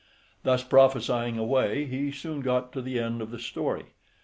Thus prophesying away, he soon got to the end of the story.